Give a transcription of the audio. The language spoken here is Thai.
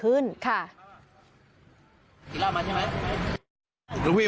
เราเมาเหรอ